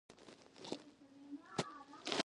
د يادې پتې په وينا،